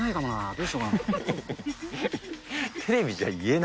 どうしようかな。